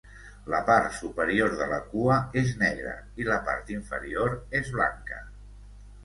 La part superior de la cua és negra i la part inferior és blanca.